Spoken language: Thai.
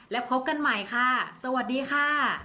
แล้วพบกันใหม่ค่ะสวัสดีค่ะ